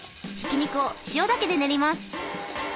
ひき肉を塩だけで練ります。